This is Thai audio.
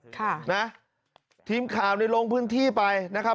ค่ะนะทีมข่าวในลงพื้นที่ไปนะครับ